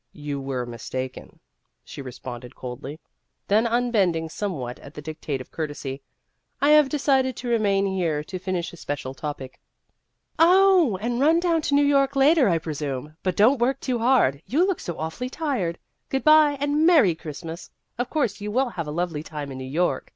" You were mistaken," she responded coldly ; then, unbending somewhat at the dictate of courtesy, " I have decided to remain here to finish a special topic." i3 Vassar Studies " Oh, and run down to New York later, I presume. But don't work too hard ; you look so awfully tired. Good bye, and a merry Christmas ! Of course, you will have a lovely time in New York.